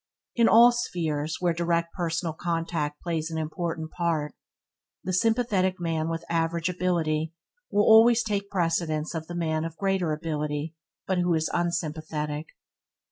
In all spheres where direct personal contact plays an important part, the sympathetic man with average ability will always take precedence of the man of greater ability but who is unsympathetic.